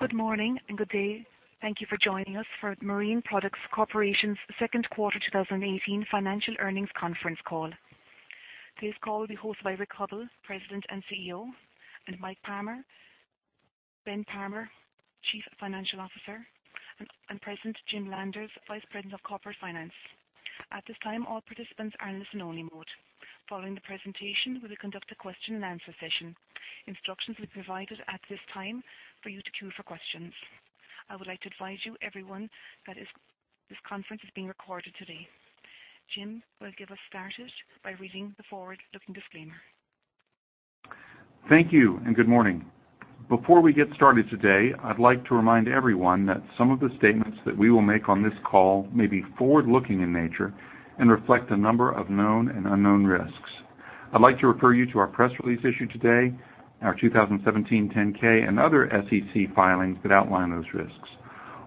Good morning and good day. Thank you for joining us for Marine Products Corporation's second quarter 2018 financial earnings conference call. This call will be hosted by Rick Hubbell, President and CEO, and Ben Palmer, Chief Financial Officer, and Jim Landers, Vice President of Corporate Finance. At this time, all participants are in listen-only mode. Following the presentation, we will conduct a question-and-answer session. Instructions will be provided at this time for you to queue for questions. I would like to advise you, everyone, that this conference is being recorded today. Jim will get us started by reading the forward-looking disclaimer. Thank you and good morning. Before we get started today, I'd like to remind everyone that some of the statements that we will make on this call may be forward-looking in nature and reflect a number of known and unknown risks. I'd like to refer you to our press release issued today, our 2017 10-K, and other SEC filings that outline those risks,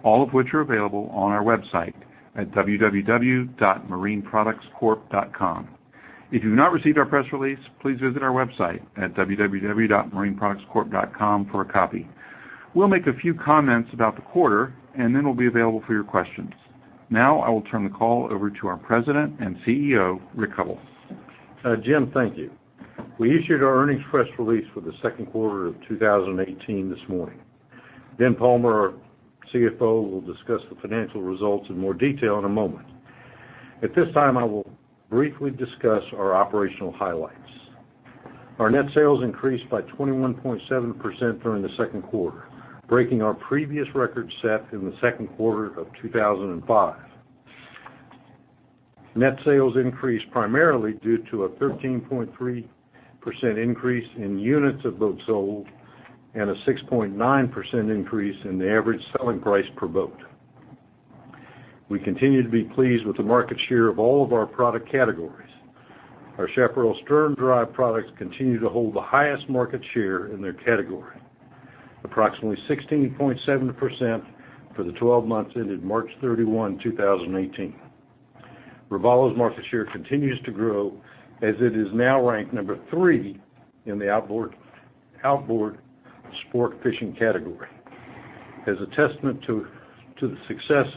all of which are available on our website at www.marineproductscorp.com. If you have not received our press release, please visit our website at www.marineproductscorp.com for a copy. We'll make a few comments about the quarter and then we'll be available for your questions. Now, I will turn the call over to our President and CEO, Rick Hubbell. Jim, thank you. We issued our earnings press release for the second quarter of 2018 this morning. Ben Palmer, our CFO, will discuss the financial results in more detail in a moment. At this time, I will briefly discuss our operational highlights. Our net sales increased by 21.7% during the second quarter, breaking our previous record set in the second quarter of 2005. Net sales increased primarily due to a 13.3% increase in units of boats sold and a 6.9% increase in the average selling price per boat. We continue to be pleased with the market share of all of our product categories. Our Chaparral stern drive products continue to hold the highest market share in their category, approximately 16.7% for the 12 months ended March 31, 2018. Robalo's market share continues to grow as it is now ranked number three in the outboard sport fishing category. As a testament to the success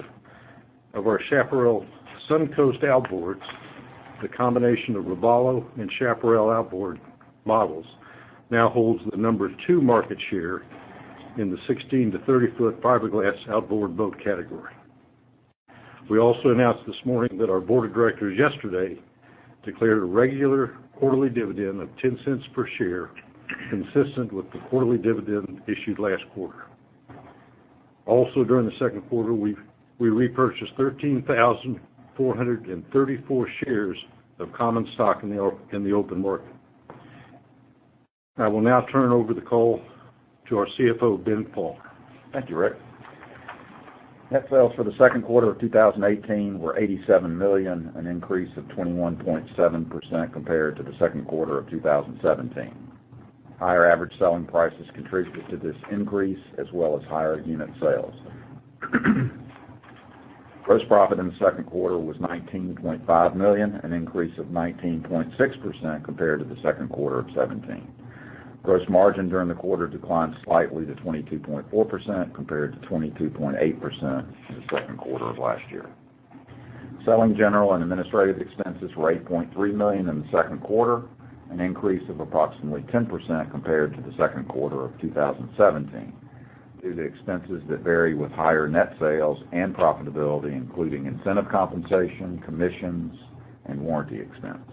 of our Chaparral SunCoast Outboards, the combination of Robalo and Chaparral outboard models now holds the number two market share in the 16-foot to 30-foot fiberglass outboard boat category. We also announced this morning that our board of directors yesterday declared a regular quarterly dividend of $0.10 per share, consistent with the quarterly dividend issued last quarter. Also, during the second quarter, we repurchased 13,434 shares of common stock in the open market. I will now turn over the call to our CFO, Ben Palmer. Thank you, Rick. Net sales for the second quarter of 2018 were $87 million, an increase of 21.7% compared to the second quarter of 2017. Higher average selling prices contributed to this increase, as well as higher unit sales. Gross profit in the second quarter was $19.5 million, an increase of 19.6% compared to the second quarter of 2017. Gross margin during the quarter declined slightly to 22.4% compared to 22.8% in the second quarter of last year. Selling, general and administrative expenses were $8.3 million in the second quarter, an increase of approximately 10% compared to the second quarter of 2017 due to expenses that vary with higher net sales and profitability, including incentive compensation, commissions, and warranty expense.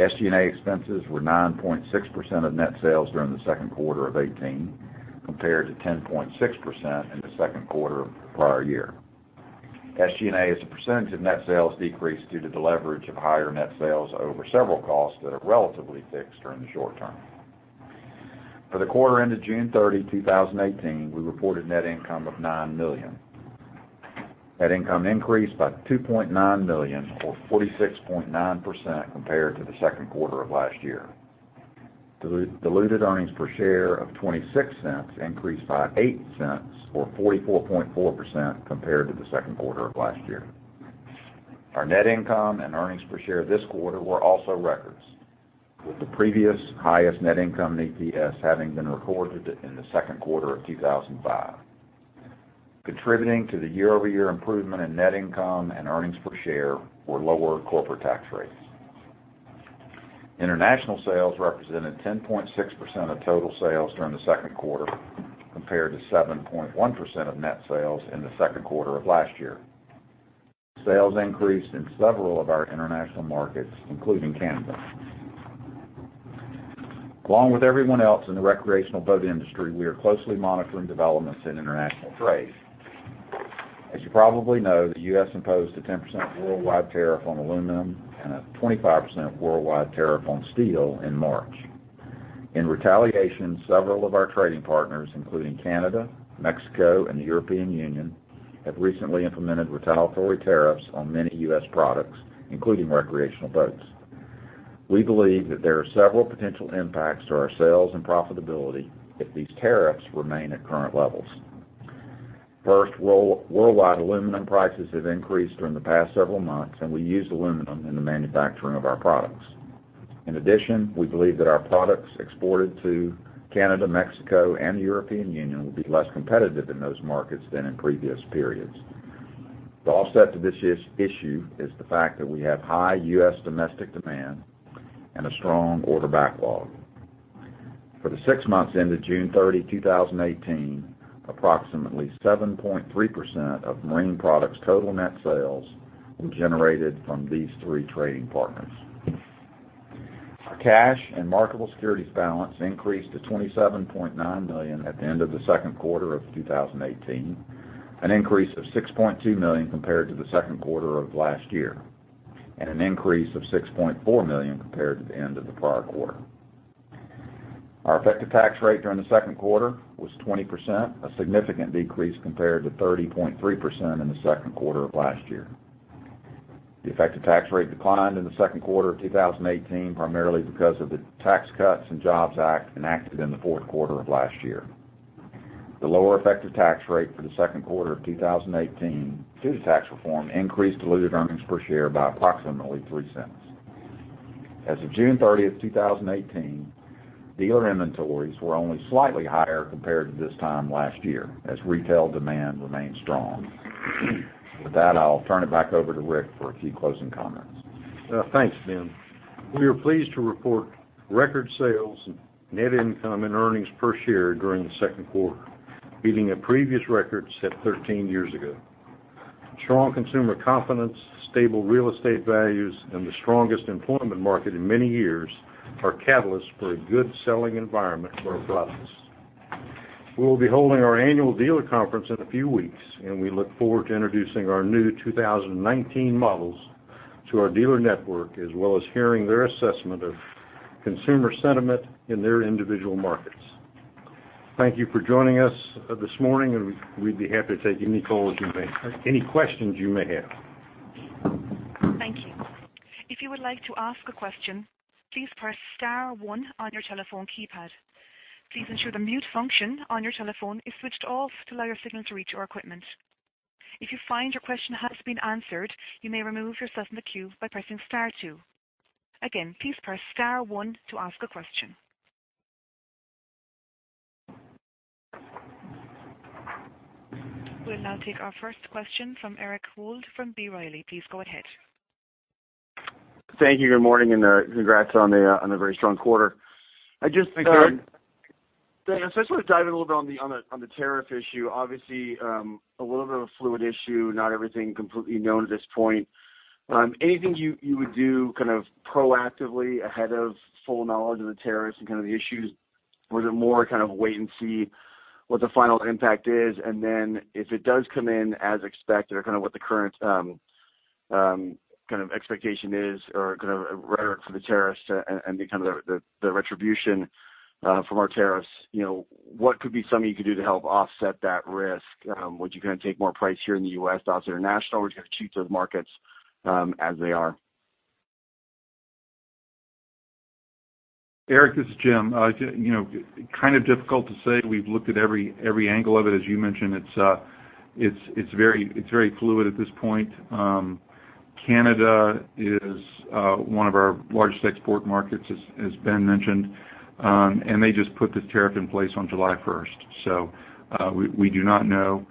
SG&A expenses were 9.6% of net sales during the second quarter of 2018, compared to 10.6% in the second quarter of the prior year. SG&A as a percentage of net sales decreased due to the leverage of higher net sales over several costs that are relatively fixed during the short term. For the quarter ended June 30, 2018, we reported net income of $9 million. Net income increased by $2.9 million, or 46.9%, compared to the second quarter of last year. Diluted earnings per share of $0.26 increased by $0.08, or 44.4%, compared to the second quarter of last year. Our net income and earnings per share this quarter were also records, with the previous highest net income and EPS having been recorded in the second quarter of 2005. Contributing to the year-over-year improvement in net income and earnings per share were lower corporate tax rates. International sales represented 10.6% of total sales during the second quarter, compared to 7.1% of net sales in the second quarter of last year. Sales increased in several of our international markets, including Canada. Along with everyone else in the recreational boat industry, we are closely monitoring developments in international trade. As you probably know, the U.S. imposed a 10% worldwide tariff on aluminum and a 25% worldwide tariff on steel in March. In retaliation, several of our trading partners, including Canada, Mexico, and the European Union, have recently implemented retaliatory tariffs on many U.S. products, including recreational boats. We believe that there are several potential impacts to our sales and profitability if these tariffs remain at current levels. First, worldwide aluminum prices have increased during the past several months, and we use aluminum in the manufacturing of our products. In addition, we believe that our products exported to Canada, Mexico, and the European Union will be less competitive in those markets than in previous periods. The offset to this issue is the fact that we have high U.S. domestic demand and a strong order backlog. For the six months ended June 30, 2018, approximately 7.3% of Marine Products' total net sales were generated from these three trading partners. Our cash and marketable securities balance increased to $27.9 million at the end of the second quarter of 2018, an increase of $6.2 million compared to the second quarter of last year, and an increase of $6.4 million compared to the end of the prior quarter. Our effective tax rate during the second quarter was 20%, a significant decrease compared to 30.3% in the second quarter of last year. The effective tax rate declined in the second quarter of 2018 primarily because of the Tax Cuts and Jobs Act enacted in the fourth quarter of last year. The lower effective tax rate for the second quarter of 2018, due to tax reform, increased diluted earnings per share by approximately $0.03. As of June 30, 2018, dealer inventories were only slightly higher compared to this time last year, as retail demand remained strong. With that, I'll turn it back over to Rick for a few closing comments. Thanks, Ben. We are pleased to report record sales and net income and earnings per share during the second quarter, beating a previous record set 13 years ago. Strong consumer confidence, stable real estate values, and the strongest employment market in many years are catalysts for a good selling environment for our products. We will be holding our annual dealer conference in a few weeks, and we look forward to introducing our new 2019 models to our dealer network, as well as hearing their assessment of consumer sentiment in their individual markets. Thank you for joining us this morning, and we'd be happy to take any questions you may have. Thank you. If you would like to ask a question, please press star one on your telephone keypad. Please ensure the mute function on your telephone is switched off to allow your signal to reach your equipment. If you find your question has been answered, you may remove yourself from the queue by pressing star two. Again, please press star one to ask a question. We'll now take our first question from Eric Wold from B. Riley. Please go ahead. Thank you. Good morning and congrats on a very strong quarter. I just. Thank you. Dan, I just want to dive in a little bit on the tariff issue. Obviously, a little bit of a fluid issue. Not everything completely known at this point. Anything you would do kind of proactively ahead of full knowledge of the tariffs and kind of the issues, or is it more kind of wait and see what the final impact is? If it does come in as expected, or kind of what the current kind of expectation is, or kind of rhetoric for the tariffs and the retribution from our tariffs, what could be something you could do to help offset that risk? Would you kind of take more price here in the U.S., out to international, or would you kind of treat those markets as they are? Eric, this is Jim. Kind of difficult to say. We've looked at every angle of it. As you mentioned, it's very fluid at this point. Canada is one of our largest export markets, as Ben mentioned, and they just put this tariff in place on July 1st. We do not know.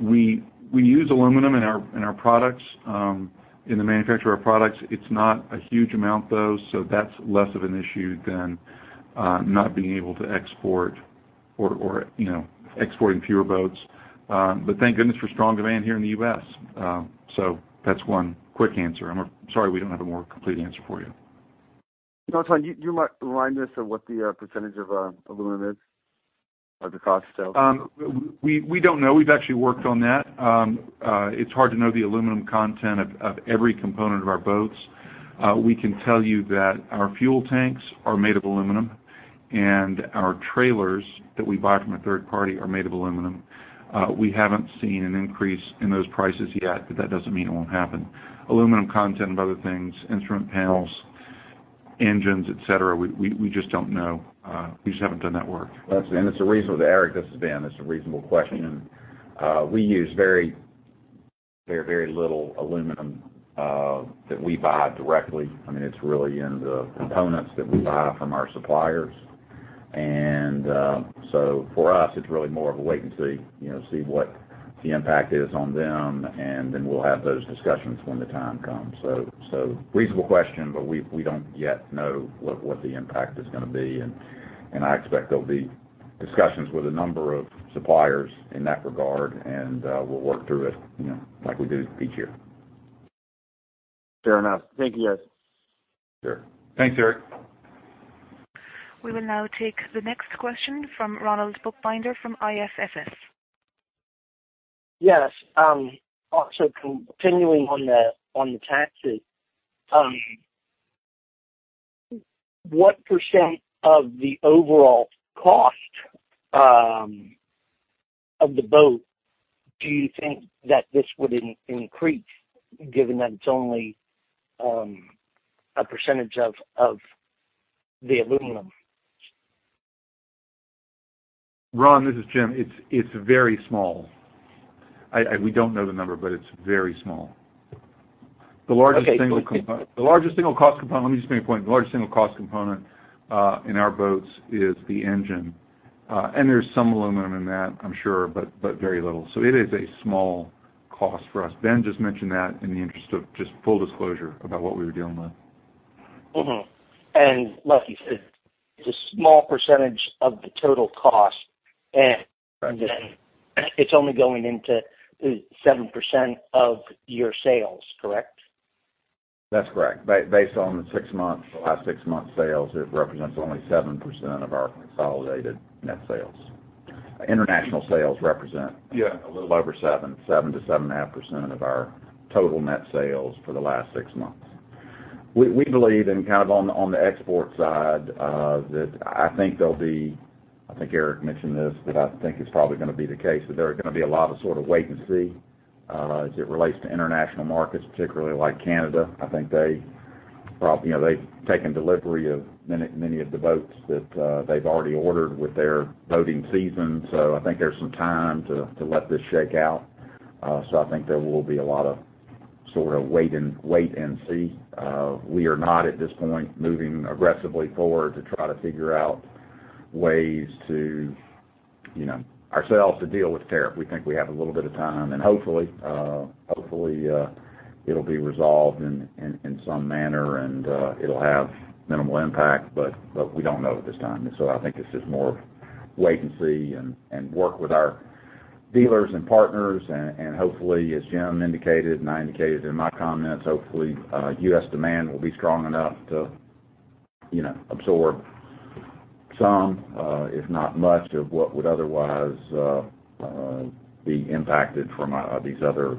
We use aluminum in our products, in the manufacture of our products. It's not a huge amount, though, so that's less of an issue than not being able to export or exporting fewer boats. Thank goodness for strong demand here in the U.S. That's one quick answer. I'm sorry we don't have a more complete answer for you. You might remind us of what the percentage of aluminum is, of the cost of sales? We don't know. We've actually worked on that. It's hard to know the aluminum content of every component of our boats. We can tell you that our fuel tanks are made of aluminum, and our trailers that we buy from a third party are made of aluminum. We haven't seen an increase in those prices yet, but that doesn't mean it won't happen. Aluminum content of other things, instrument panels, engines, etc., we just don't know. We just haven't done that work. It is a reasonable—Eric, this is Ben—it is a reasonable question. We use very little aluminum that we buy directly. I mean, it is really in the components that we buy from our suppliers. For us, it is really more of a wait and see, see what the impact is on them, and then we will have those discussions when the time comes. Reasonable question, but we do not yet know what the impact is going to be. I expect there will be discussions with a number of suppliers in that regard, and we will work through it like we do each year. Fair enough. Thank you, guys. Sure. Thanks, Eric. We will now take the next question from Ronald Bookbinder from IFSS. Yes. Continuing on the taxes, what percent of the overall cost of the boat do you think that this would increase, given that it's only a percentage of the aluminum? Ron, this is Jim. It's very small. We don't know the number, but it's very small. The largest single. Okay. So. Cost component, let me just make a point, the largest single cost component in our boats is the engine. There's some aluminum in that, I'm sure, but very little. It is a small cost for us. Ben just mentioned that in the interest of just full disclosure about what we were dealing with. Like you said, it's a small percentage of the total cost, and then it's only going into 7% of your sales, correct? That's correct. Based on the last six months' sales, it represents only 7% of our consolidated net sales. International sales represent a little over 7%, 7%-7.5% of our total net sales for the last six months. We believe, and kind of on the export side, that I think there'll be—I think Eric mentioned this—but I think it's probably going to be the case that there are going to be a lot of sort of wait and see as it relates to international markets, particularly like Canada. I think they've taken delivery of many of the boats that they've already ordered with their boating season, so I think there's some time to let this shake out. I think there will be a lot of sort of wait and see. We are not, at this point, moving aggressively forward to try to figure out ways to ourselves to deal with tariff. We think we have a little bit of time, and hopefully it'll be resolved in some manner, and it'll have minimal impact, but we don't know at this time. I think it's just more of wait and see and work with our dealers and partners. Hopefully, as Jim indicated, and I indicated in my comments, hopefully U.S. demand will be strong enough to absorb some, if not much, of what would otherwise be impacted from these other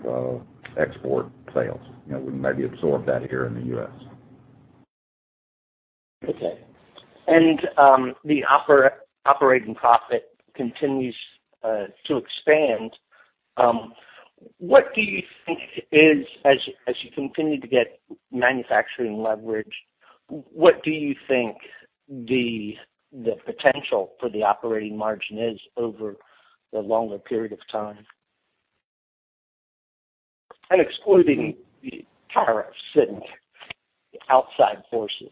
export sales. We maybe absorb that here in the U.S. Okay. The operating profit continues to expand. What do you think is, as you continue to get manufacturing leverage, what do you think the potential for the operating margin is over the longer period of time? Excluding the tariffs and outside forces.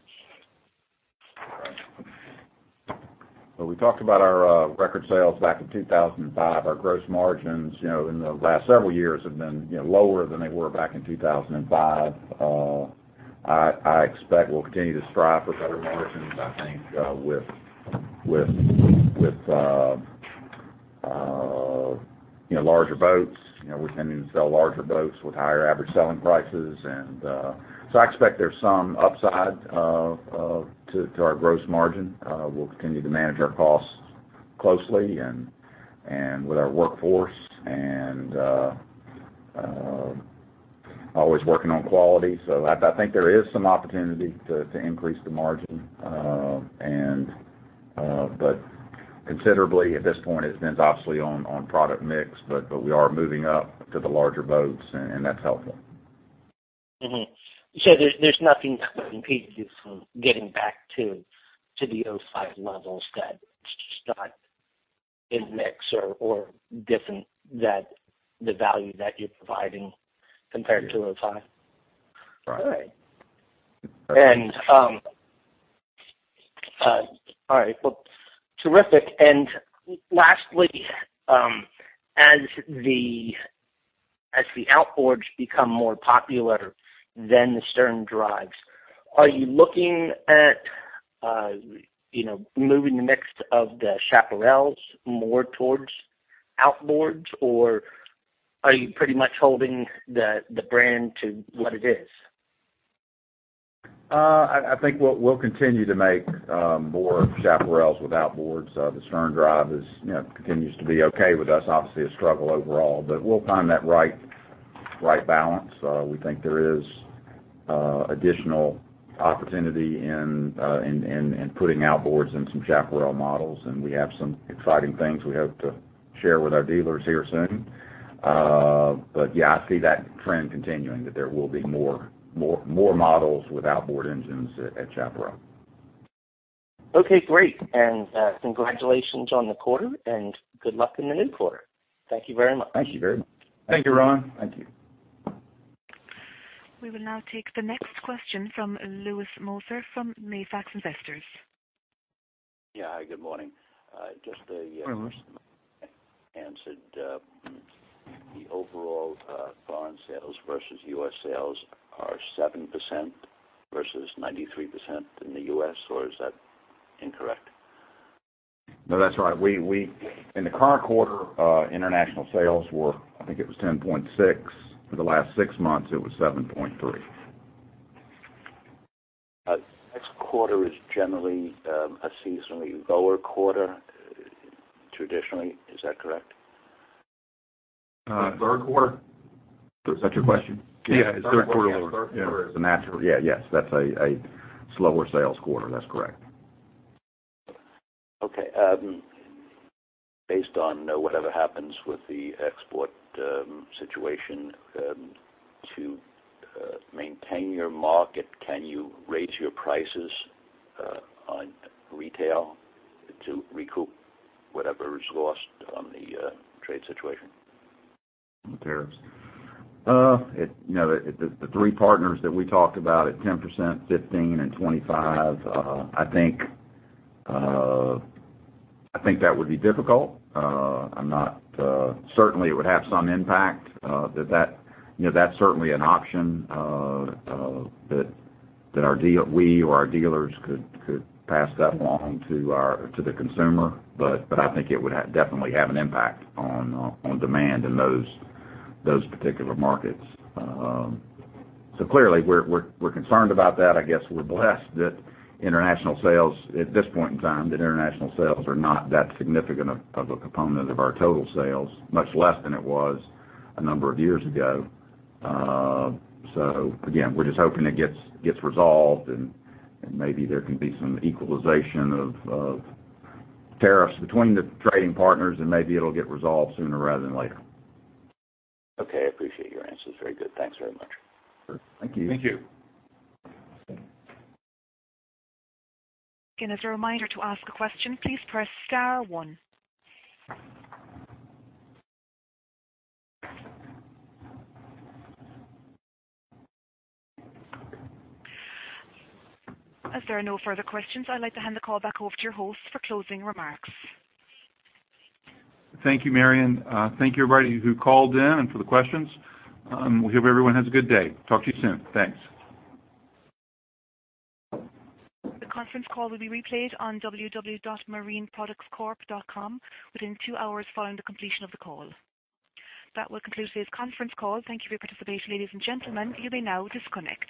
We talked about our record sales back in 2005. Our gross margins in the last several years have been lower than they were back in 2005. I expect we'll continue to strive for better margins, I think, with larger boats. We're tending to sell larger boats with higher average selling prices. I expect there's some upside to our gross margin. We'll continue to manage our costs closely and with our workforce and always working on quality. I think there is some opportunity to increase the margin, but considerably at this point, it depends obviously on product mix, but we are moving up to the larger boats, and that's helpful. There's nothing that would impede you from getting back to the O5 levels that's not in mix or different than the value that you're providing compared to O5? Right. All right. All right. Terrific. And lastly, as the outboards become more popular than the stern drives, are you looking at moving the mix of the Chaparrals more towards outboards, or are you pretty much holding the brand to what it is? I think we'll continue to make more Chaparrals with outboards. The stern drive continues to be okay with us, obviously a struggle overall, but we'll find that right balance. We think there is additional opportunity in putting outboards in some Chaparral models, and we have some exciting things we hope to share with our dealers here soon. Yeah, I see that trend continuing, that there will be more models with outboard engines at Chaparral. Okay. Great. Congratulations on the quarter, and good luck in the new quarter. Thank you very much. Thank you very much. Thank you, Ron. Thank you. We will now take the next question from [Louis Moser from Mayfax Investors]. Yeah. Hi, good morning. Just the. Morning, Louis. You said the overall foreign sales versus U.S. sales are 7% versus 93% in the U.S., or is that incorrect? No, that's right. In the current quarter, international sales were, I think it was 10.6. For the last six months, it was 7.3. The next quarter is generally a seasonally lower quarter, traditionally. Is that correct? Third quarter? Is that your question? Yeah. Third quarter lower. Third quarter is a natural. Yeah. Yes. That's a slower sales quarter. That's correct. Okay. Based on whatever happens with the export situation, to maintain your market, can you raise your prices on retail to recoup whatever is lost on the trade situation? The tariffs? No, the three partners that we talked about at 10%, 15%, and 25%, I think that would be difficult. Certainly, it would have some impact. That's certainly an option that we or our dealers could pass that along to the consumer, but I think it would definitely have an impact on demand in those particular markets. Clearly, we're concerned about that. I guess we're blessed that international sales at this point in time, that international sales are not that significant of a component of our total sales, much less than it was a number of years ago. Again, we're just hoping it gets resolved, and maybe there can be some equalization of tariffs between the trading partners, and maybe it'll get resolved sooner rather than later. Okay. I appreciate your answers. Very good. Thanks very much. Thank you. Thank you. Again, as a reminder to ask a question, please press star one. If there are no further questions, I'd like to hand the call back over to your host for closing remarks. Thank you, Marion. Thank you, everybody who called in and for the questions. We hope everyone has a good day. Talk to you soon. Thanks. The conference call will be replayed on www.marineproductscorp.com within two hours following the completion of the call. That will conclude today's conference call. Thank you for your participation, ladies and gentlemen. You may now disconnect.